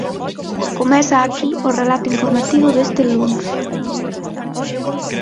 Comeza aquí o relato informativo deste luns.